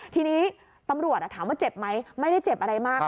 ทีนี้ตำรวจถามว่าเจ็บไหมไม่ได้เจ็บอะไรมาก